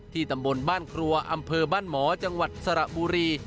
ตำบลบ้านครัวอำเภอบ้านหมอจังหวัดสระบุรี